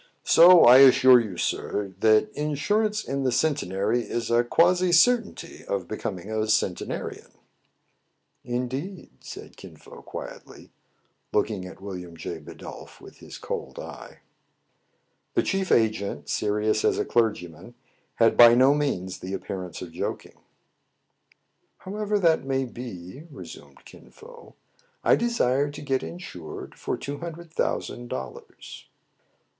So, I assure you, sir, that insurance in the Centenary is a quasi certainty of becoming a centenarian." " Indeed !" said Kin Fo quietly, looking at William J. Bidulph with his cold eye. The chief agent, serious as a clergyman,, had by no means the appearance of joking. " However that may be," resumed ÏCin Fo, " I desire to get insured for two hundred thousand dollars."